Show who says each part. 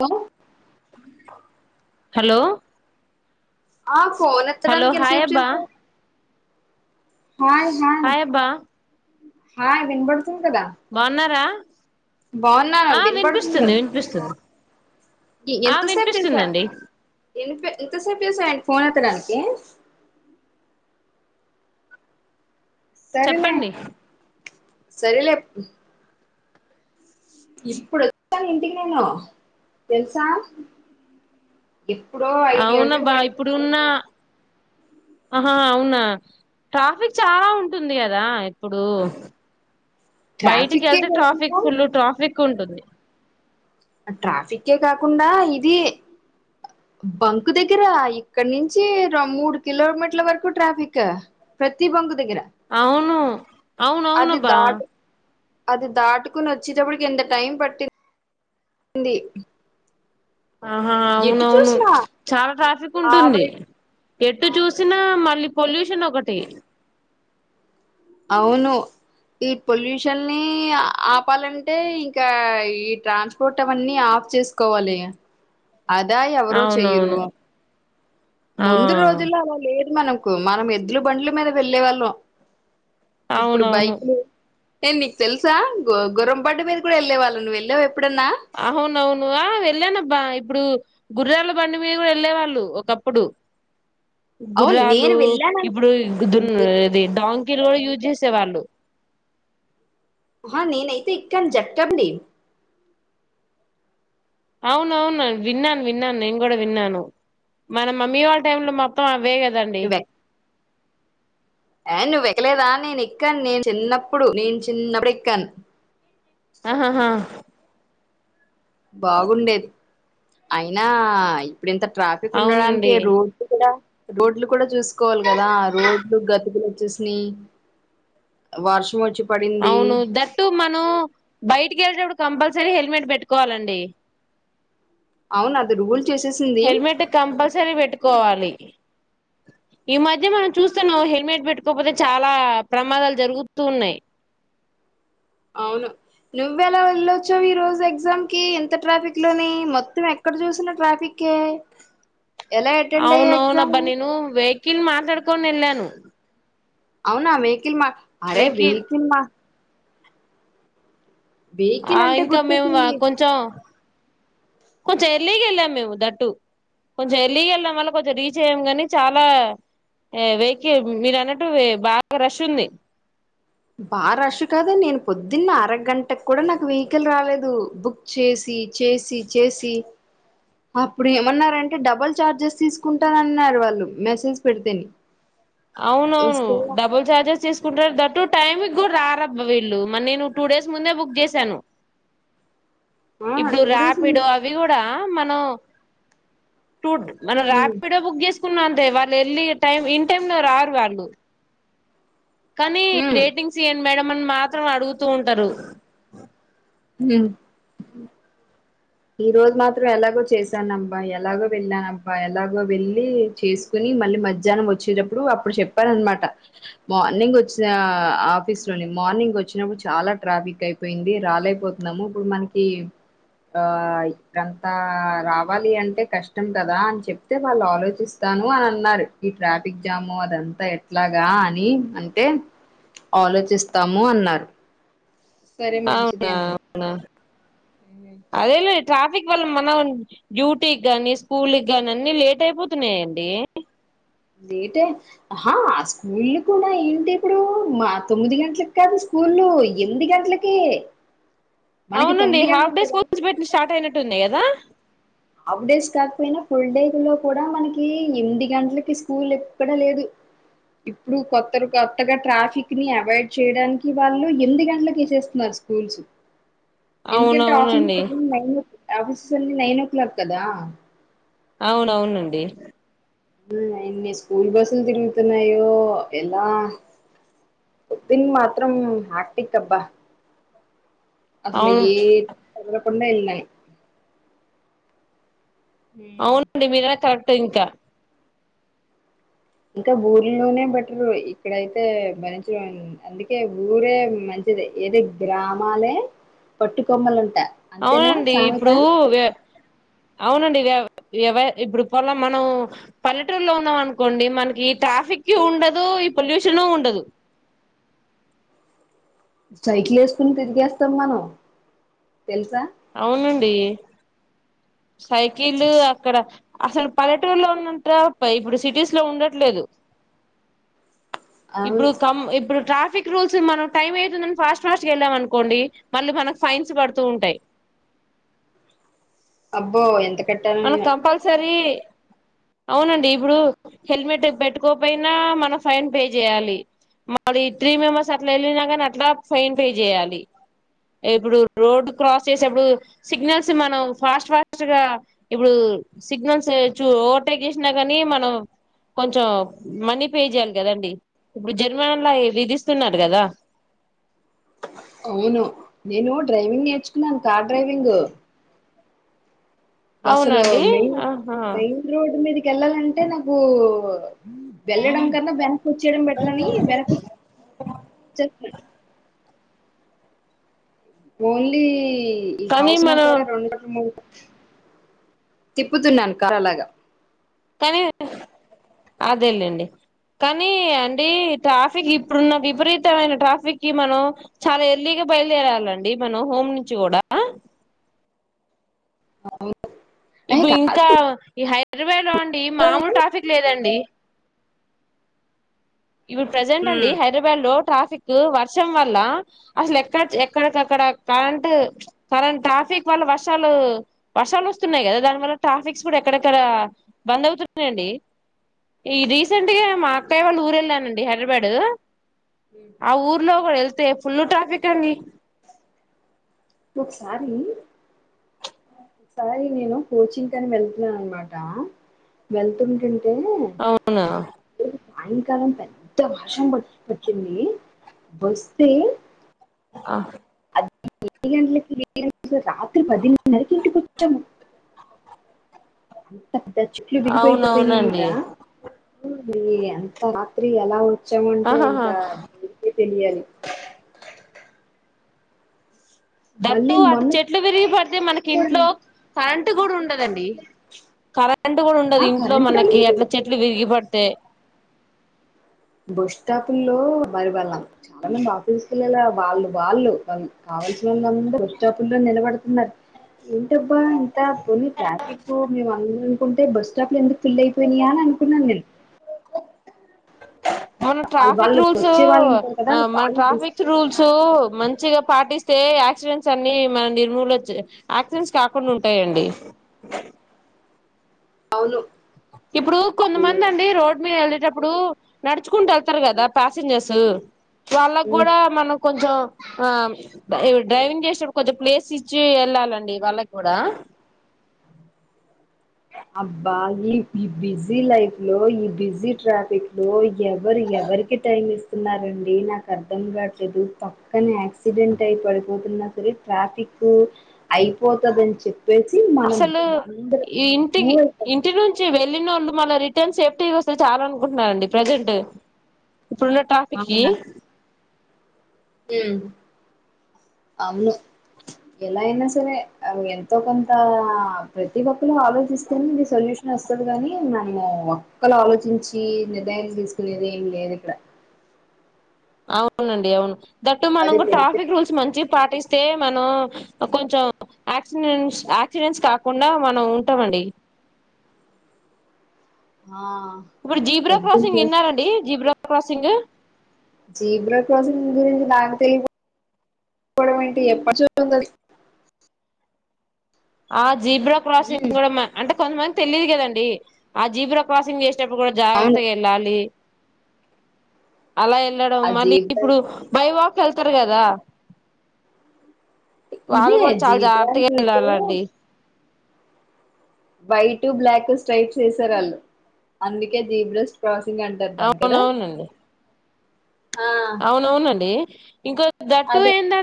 Speaker 1: లో
Speaker 2: హలో
Speaker 1: ఆ phone
Speaker 2: hello
Speaker 1: ఎత్తడానికి ఎంతా
Speaker 2: హాయ్
Speaker 1: సేప్
Speaker 2: అబ్బా
Speaker 1: చేశావ్ హాయ్ హాయ్ హా వినబడు
Speaker 2: బావున్నారా
Speaker 1: బాగున్నాను వినపడుతుంది
Speaker 2: వినిపిస్తుంది ఆ
Speaker 1: ఎంత సేపు చేశా
Speaker 2: వినిపిస్తుందండి
Speaker 1: ఇన్ ఇంతసేపు చేసవేంటి ఫోన్ ఎత్తడానికి
Speaker 2: చెప్పండి
Speaker 1: సరిలే ఇప్పుడు వచ్చా ఇంటికి నేను తెలుసా ఏప్పుడో ఐదు గంటలకు
Speaker 2: అవునబ్బా
Speaker 1: బయలు
Speaker 2: ఇప్పుడు ఉన్న ఆహా అవునా ట్రాఫిక్ చాలా ఉంటుంది కదా ఇప్పుడు బయటికి
Speaker 1: ట్రాఫికే
Speaker 2: వెళ్తే
Speaker 1: కాకుండా
Speaker 2: ట్రాఫిక్ ఫుల్ ట్రాఫిక్ ఉంటుంది
Speaker 1: ట్రాఫిక్ ఏ కాకుండా ఇది బంకు దగ్గరా ఇక్కడ నుంచి మూడు కిలోమీటర్ల వరకు ట్రాఫిక్ ప్రతి బంకు దగ్గర
Speaker 2: అవును అవును
Speaker 1: అది
Speaker 2: అవునబా
Speaker 1: దాట అది దాటుకుని వచ్చేటప్పుడుకి ఎంత టైం పట్టిందింది
Speaker 2: ఆహా అవునవును చాలా ట్రాఫిక్
Speaker 1: ఆ
Speaker 2: ఉంటుంది
Speaker 1: వైపు
Speaker 2: ఎటు చూసినా మళ్ళీ పొల్యూషన్ ఒకటి
Speaker 1: అవును ఈ పొల్యూషన్ ని ఆపాలంటే ఇంకా ఈ ట్రాన్స్పోర్ట్ అవన్నీ ఆ చేసుకోవాలి అదా ఎవరో చెయ్యరు
Speaker 2: అవునవును ఆ
Speaker 1: ముందు రోజుల్లో అలా లేదు మనం కు మనం ఎద్లు బండ్ల మీద వెళ్ళే వాళ్ళం ఇప్పుడు
Speaker 2: అవునవును
Speaker 1: బైక్లు హే నీకు తెలుసా గ గురం బండి మీద కూడా వెళ్ళేవాళ్ళు నువ్వుళ్ళేవ
Speaker 2: అవునవును హా వెళ్ళానబ్బా ఇప్పుడు గుర్రాళ బండి మీద కూడా వెళ్ళేవాళ్ళు ఒకప్పుడు
Speaker 1: అవును నేను
Speaker 2: గుర్రాలు
Speaker 1: వెళ్ళాను
Speaker 2: ఇప్పుడు దున్న ఇది డాన్ కిని కూడా యూజ్ చేసేవాళ్ళు
Speaker 1: ఆ నేనైతే ఇక్కను జక్కండి
Speaker 2: అవును అవును విన్నాను విన్నాను నేనూ కూడా విన్నాను మన మమ్మీ వాళ్ళ టైమ్ లో మొత్తం అవే కదండి
Speaker 1: ఏ నువ్్వవు ఎక్కలేదా నేను ఏక్కాను నేను చిన్నప్పుడు నేను చిన్నప్పుడు ఎక్కాను
Speaker 2: ఆహాహా
Speaker 1: బాగుండేది అయినా ఇప్పుడు ఇంత ట్రాఫిక్ ఉండడానికి
Speaker 2: అవునండి
Speaker 1: రోడ్లు కూడా రోడ్లు కూడా చూసుకోవాలి కదా రోడ్లు గతికులు వచ్చేసా వార్షం వచ్చి పడింది
Speaker 2: అవును దట్టు మనం బయటికిెళడు కంపల్సరీ హెల్మెట్ పెట్టుకోవాలండి
Speaker 1: అవును అది రూల్స్
Speaker 2: హెల్మెట్ కంపల్సరీ పెట్టుకోవాలి
Speaker 1: అ
Speaker 2: ఈ మధ్య మనం చూస్తాను హెల్మెట్ పెట్టుకోపోతే చాలా ప్రమాదాలు జరుగుతుూ ఉన్నాయి
Speaker 1: అవును నువ్వు ఎలా వెళ్ళచ్చావు ఈ రోజు ఎగ్జామ్ కి ఎంత ట్రాఫిక్ లోని మొత్తం ఏక్కడ చూసిన ట్రాఫిక్ే
Speaker 2: అవున అవునబ్బా నేను వెహికిల్ మాట్లాడుకోని ఎల్లాను
Speaker 1: అవునా వెహికల్ మా అరే వెహికల్ మా
Speaker 2: ఆ
Speaker 1: వెహికల్ అంటే
Speaker 2: ఇంకా మేము
Speaker 1: గుర్తొచ్చింది
Speaker 2: కొంచం కొంచెం ఎర్లీకి వెళ్ళాము మేము దట్టు కొంచెం అర్లెజగేల్లం వల్ల కొంచెం రీచ్ అయ్యాం గాని చాలా ఏ వెయికి మీరు అన్నట్టు బాగా రష్ ఉంది
Speaker 1: బా రష్ కాదా నేను పొద్దున్న అరగంటకు కూడా నాకు వెహికల్ రాలేదు బుక్ చేసి చేసి చేసి అప్పుడు ఏమన్నారంటే టే డబుల్ చార్జెస్ తీసుకుంటానన్నారు వాళ్ళు మెసేజ్ పెడితే ని
Speaker 2: అవునవును డబుల్ ఛార్జెస్ తీసుకుంటారు దట్టు టైమికి కూడా రారబ్బా వీళ్ళు మరి నేను టూ డేస్ ముందే బుక్ జెసాను
Speaker 1: ఆ
Speaker 2: ఇప్పుడు
Speaker 1: టూ డేస్ ఉమ్
Speaker 2: రాపిడో అవి కూడా మనం చూ మనం రాపిడో బుక్ చేసుకున్నా దేవా వెళ్ళి టైం ఇన్ టై లో రారు వాళ్ళు కానీ
Speaker 1: ఉమ్
Speaker 2: డేటింగ్స్ ఇయ్యండి మేడం అని మాత్రం అడుగుతూ ఉంటారు
Speaker 1: హ్మ్ ఈ రోజు మాత్రం ఎలాగో చేశానబ్బా ఎలాగో వెళ్ళానబ్బా ఎలాగో వెళ్లి చేసుకుని మళ్ళీ మధ్యాహ్నం వచ్చేటప్పుడు అప్పుడు చెప్పారనమాట మార్నింగ్ వచ్చిన ఆఫీస్ లోని మార్నింగ్ వచ్చినప్పుడు చాలా ట్రాఫిక్ అయిపోయింది రాలేకపోతున్నాము ఇప్పుడు మనకి ఆ గంత రావాలి అంటే కష్టం కదా అని చెప్తే వాళ్ళు ఆలోచిస్తాను ము అన్నారు ఈ ట్రాఫిక్ జాము అదంతా ఎట్లాగా అని అంటే ఆలోచిస్తాము అన్నారు సరే మంచిది
Speaker 2: అవునా
Speaker 1: అన్నా
Speaker 2: అవునా అదేలా ట్రాఫిక్ వల్ల మనం డ్యూటీకి గాని స్కూల్కి కానీ అన్ని లేట్ అయిపోతున్నాయండి
Speaker 1: లేటేహా ఆ స్కూల్ కూడా ఏంటి ఇప్పుడు మా తొమ్మిది గంటలకి కాదు స్కూల్ స్కూల్లు ఎనిది గంటలకి మనకి
Speaker 2: అవునండి
Speaker 1: తొమ్మిది
Speaker 2: హాఫ్
Speaker 1: గంటలకు
Speaker 2: డేస్
Speaker 1: కదా
Speaker 2: స్కూల్స్ పెట్టిన స్టార్ట్ అయినట్టు ఉంది కదా
Speaker 1: హఫ్ డేస్ కాకపోయినా ఫుల్ డే లో కూడా మనకి ఎనిమిది గంటలకి స్కూల్ ఎక్కడా లేదు ఇప్పుడు కొత్తరు కొత్తగా ట్రాఫిక్ ని అవాయిడ్ చేయడానికి వాళ్ళు ఎనిమిది గంటలకి చేసేస్తున్నారు స్కూల్స్ ఎందుకంటే ఆఫీస్
Speaker 2: అవునవునండి
Speaker 1: నైన్ఆఫీస్ అన్ని నైన్ ఓ క్లాక్ కదా
Speaker 2: అవున అవునండి
Speaker 1: ఎన్ని స్కూల్ బస్సులు తిరుగుతున్నాయో ఎలా ఓపిన్ మాత్రం ఆక్టికబ్బా అసలే
Speaker 2: అవును
Speaker 1: ఏం కధలకుంట అల్లాయి
Speaker 2: అవునండి మీర కరెక్ట్ ఇంకా
Speaker 1: ఇంకా ఊర్లోనే బెటరు ఇక్కడయితే బరించడం అందుకే ఊరే మంచి ఏదో గ్రామాలే పట్టుకొమ్మలుంట
Speaker 2: అవునండి ఇప్పుడు వ అవునండి వ ఎవ ఇప్పుడు పోల మనం పల్లెటూరులో ఉన్నాం అనుకోండి మనకి ట్రాఫికి ఉండదు ఈ పొల్యూషన ఉండదు
Speaker 1: [inaudible] సైకిలేసుకొని తిరిగేస్తాం మనం తెల్సా
Speaker 2: అవునండి సైకిలు అక్కడ అసలు పల్లెటూరులో ఉన్నంత ఇప్పుడు సిటీస్ లో ఉండట్లేదు
Speaker 1: అవు
Speaker 2: ఇప్పుడు కమ్ ఇప్పుడు ట్రా ట్రాఫిక్ రూల్స్ మనం టైం అవుతుందని ఫాస్ట్ ఫాస్ట్ గ వెళ్ళామఅనుకోండి మళ్ళీ మనకు ఫైన్స్ పడుతూ ఉంటాయి
Speaker 1: [inaudible] అబ్బో ఎంత
Speaker 2: అవును కంపల్సరి
Speaker 1: [inaudible]
Speaker 2: అవునండి ఇప్పుడు హెల్మెట్ పెట్టుకోపోయినా మనం ఫైన్ పే చెయ్యాలి మరి త్రీ మెంబర్స్ అట్లా ఎళ్ళినా గనీ అట్లా ఫైన్ పే చెయ్యాలి ఇప్పుడు రోడ్డు క్రాస్ చేసేప్పుడు సిగ్నల్స్ మనం ఫాస్ట్ ఫాస్ట్ గా ఇప్పుడు సిగ్నల్స్ చూ ఓవర్ టెక్ చేసినా కానీ మనం కొంచెం మనీ పే చెయ్యాలి కదండి. ఇప్పుడు జర్మనన్న విధిస్తున్నారు కదా.
Speaker 1: అవును నేను డ్రైవింగ్ నేర్చుకున్నాను. కార్ డ్రైవింగు బస్ లో
Speaker 2: అవునండి
Speaker 1: మెయిన్
Speaker 2: ఆహా
Speaker 1: మెయిన్ రోడ్ మీదికి వెళ్ళాలంటే నాకు వెళ్ళడం కన్నా, వెనకొచ్చేయడం బెటర్ అని వెనక్ చెప్పండి. ఓన్లీ ఈ
Speaker 2: కానీ
Speaker 1: హౌస్ నా
Speaker 2: మనం
Speaker 1: చోడ రెండట మూడుట తిప్పుతున్నాను కర్ర లాగా
Speaker 2: కనీ అదేలేండి. కానీ అండి, ట్రాఫిక్ ఇప్పుడున్న విపరీతమైన ట్రాఫిక్ కి మనం చాలా ఎర్లీగా బయలుదేరాలండి మనం హోమ్ నుంచి కూడా
Speaker 1: [inaudible]
Speaker 2: ఇప్పుడు ఇంకా, ఈ హైదరాబాద్ లో అండి మామూలు ట్రాఫిక్ లేదండి. ఇప్పుడు ప్రజెంట్ అండి హైదరాబాద్ లో ట్రాఫిక్ వర్షం వల్ల అసలు ఎక్క ఎక్కడకక్కడ కరెంట్ కరెంట్ ట్రా ట్రాఫిక్ వల్ల వర్షాలు వర్షాలు వస్తున్నాయి కదా! దాని వల్ల ట్రాఫిక్స్ కూడా ఎక్కడెక్కడ బంద్ అవుతున్నాయి. ఈ రీసెంట్ గా మా అత్తయ్య వాళ్ళ ఊరు వెళ్ళానండి హైదరాబాద్. ఆ ఊర్లో కూడ వెళ్తే ఫుల్ ట్రాఫిక్ అండి.
Speaker 1: ఒకసారి ఒకసారి నేను కోచింగ్ కని వెళ్తున్నాను అన్నమాట వెళ్తుంటే.
Speaker 2: అవునా?
Speaker 1: సాయంకాలం పెద్ద వర్షం వచ్చింది. వస్తే
Speaker 2: ఆ
Speaker 1: ఏడు గంటలకి ఏ గ రాత్రి పదిన్నరకి ఇంటికి వచ్చాము. అ చెట్లు విరిగి పోయి పడి
Speaker 2: అవునవునండి
Speaker 1: ఉన్నాయా అంత రాత్రి ఎలా ఉం మచ్చం ఉంటే
Speaker 2: ఆహాహా
Speaker 1: ఇంకా మీకే తెలియాలి.
Speaker 2: దట్,
Speaker 1: మళ్ళీ
Speaker 2: అటు
Speaker 1: మొన్న
Speaker 2: చెట్లు విరిగి పడితె మనకి
Speaker 1: కూడా
Speaker 2: ఇంట్లో కరెంట్ కూడా ఉండదండి. కరెంట్ కూడా ఉండదు
Speaker 1: ఆ
Speaker 2: ఇంట్లో
Speaker 1: కరెంట్ కూడా
Speaker 2: మనకి.
Speaker 1: లేదు
Speaker 2: అట్లా చెట్లు విరిగి పడి తే
Speaker 1: బస్ స్టాపుల్లో మరి వాళ్ళందరు ఆఫీస్ కి వెళ్ళలా? వాళ్ళు వాళ్ళు కావలసినోల్లందరూ వాళ్ళ బస్టాపుల్లో నిలబడుతున్నారు ఏంటో ఇంత పోన్ని ట్రాఫిక్ మేము అ అనుకుంటే బస్ స్టాప్ లో ఎందుకు? ఫుల్ అయిపోయినయా అని అనుకున్నాం మేము
Speaker 2: మన ట్రాఫిక్
Speaker 1: వాళ్ళు
Speaker 2: రూల్స్
Speaker 1: వచ్చే వాళ్ళు ఉంటారు కదా
Speaker 2: ఆ మన
Speaker 1: వాళ్ళు
Speaker 2: ట్రాఫిక్ రూల్స్ మంచిగా పాటిస్తే యాక్సిడెంట్స్ అన్ని మన నిర్మూకించ యాక్సిడెంట్స్ కాకుండా ఉంటాయండి.
Speaker 1: అవును
Speaker 2: ఇప్పుడు కొంతమంది అండి రోడ్ మీద వెళ్ళేటప్పుడు ఇప్పుడు నడుచుకుంటూ వెళ్తారు కదా! ప్యాసిెంజర్స్ వాళ్ళకు కూడా మనం కొంచం. ఆ ఇ డ్రైవింగ్ చేసేప్పుడు, కొంచెం ప్లేస్ ఇచ్చి వెళ్ళాలండి వాళ్ళకి కూడా
Speaker 1: అ అబ్బా ఈ ఈ బిజీ లైఫ్ లో, ఈ బిజీ ట్రాఫిక్ లో ఎవరు ఎవ ఎవరికి టైమ్ ఇస్తున్నారండి. నాకు అర్థం కావట్లేదు పక్కనే. యాక్సిడెంట్ అయి పడిపోతున్నారు. సరే ట్రాఫిక్ అయిపోతుంది. అని చెప్పేసి మనం
Speaker 2: అసలు
Speaker 1: అందర
Speaker 2: ఇంటికి ఇంటి నుంచి వె వెళ్ళినోళ్ళు మళ్లీ రిటర్న్ సేఫ్టీ గా వస్తే చాలా అనుకుంటుారండి ప్రజెంట్. ఇప్పుడు ఉన్న ట్రాఫిక్ కి
Speaker 1: మ్, అవును. ఎలా అయినా సరే అది ఎంతో కొంత ప్రతి ఒక్కరు ఆలోచిస్తేనే ఇది సొల్యూషన్ వస్తుది గాని మనము ఒక్కలు ఆలోచించి నిర్ణయం తీసుకునేది ఏం లేదు ఇక్కడ
Speaker 2: అవునండి అవును దట్టు మన
Speaker 1: అదే పొద్దు
Speaker 2: ట్రాఫిక్ రూల్స్ మంచి పాటిస్ స్తే మనం కొంచం యాక్సినెన్స్ యాక్సిడెంట్స్ కాకుండా మనం ఉంటమండి
Speaker 1: ఆ!
Speaker 2: ఇప్పుడు జీబ్రా
Speaker 1: పొద్దున్న
Speaker 2: క్రాసింగ్ విన్నారా అండి జీబ్రా క్రాసింగు
Speaker 1: జీబ్రా క్రాసింగ్ గురించి నాకు తెలికపో పోవడం ఏంటి ఎప్పటినుంచో ఉంది అది
Speaker 2: ఆ జీబ్రా క్రాసింగ్ కూడా అంటే కొంతమందికి తెలిదు కదండి ఆ జీబ్రా క్రాసింగ్ చే అప్పుడు కూడా
Speaker 1: అవును
Speaker 2: జాగ్రత్తగా వెళ్లాలి అలా వెళ్ళడం
Speaker 1: ఆ
Speaker 2: మళ్ళీ
Speaker 1: జీబ్రా
Speaker 2: ఇప్పుడు బైవాక్ వెళ్తారు కదా వాళ్ళు
Speaker 1: ఇదే
Speaker 2: కూడా చాలా
Speaker 1: జీబ్రా అని
Speaker 2: జాగ్రత్తగా
Speaker 1: చూస్తే
Speaker 2: వెళ్ళాలండి
Speaker 1: వైట్ టు బ్లాక్ స్ట్రైట్స్ చేసారు వాళ్ళు అందుకే జీబ్రాస్ క్రాస్ అంటారు దాన్నీ కదా
Speaker 2: అవునవునండి
Speaker 1: ఆ
Speaker 2: అవునవునండి ఇంకో దట్టు ఏందంటే